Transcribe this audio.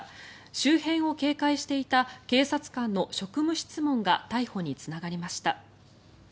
周辺を警戒していた警察官の職務質問が逮捕につながりました。